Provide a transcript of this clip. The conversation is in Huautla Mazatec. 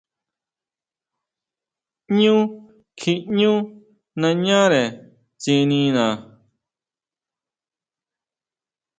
Ñú kjiʼñú nañare tsinina.